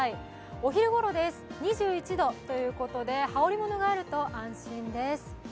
お昼ごろです、２１度ということで、羽織りものがあると安心ですね。